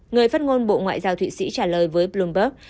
người phát ngôn bộ ngoại giao thụy sĩ trả lời với bloomberg